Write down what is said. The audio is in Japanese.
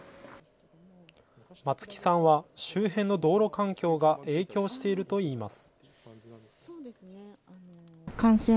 松木さんは周辺の道路環境が影響しているといいます。